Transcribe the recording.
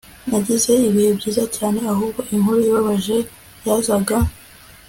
nagize ibihe byiza cyane, ubwo inkuru ibabaje yazaga